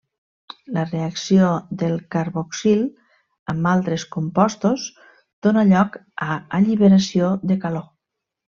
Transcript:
La reacció del carboxil amb altres compostos dóna lloc a alliberació de calor.